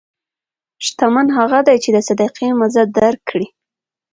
شتمن هغه دی چې د صدقې مزه درک کړي.